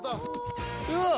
うわっ！